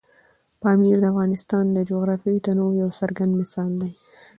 پامیر د افغانستان د جغرافیوي تنوع یو څرګند مثال دی.